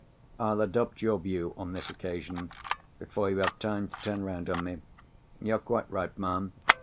I'll adopt your view, on this occasion, before you have time to turn round on me. You're quite right, ma'am.